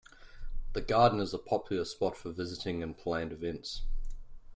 The garden is a popular spot for visiting and planned events.